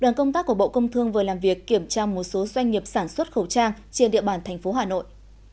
đoàn công tác của bộ công thương vừa làm việc kiểm tra một số doanh nghiệp sản xuất khẩu trang trên địa bàn thành phố hà nội